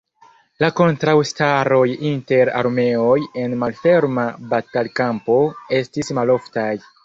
La kontraŭstaroj inter armeoj en malferma batalkampo estis maloftaj.